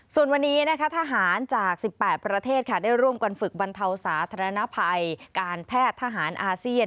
ส่วนวันนี้ทหารจาก๑๘ประเทศได้ร่วมกันฝึกบรรเทาสาธารณภัยการแพทย์ทหารอาเซียน